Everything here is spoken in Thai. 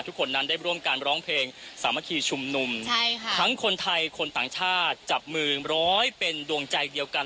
ทุกคนนั้นได้ร่วมการร้องเพลงสามัคคีชุมนุมใช่ค่ะทั้งคนไทยคนต่างชาติจับมือร้อยเป็นดวงใจเดียวกัน